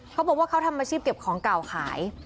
เค้าบอกว่าเค้าทำวัชิบเก็บของกล่าวขาย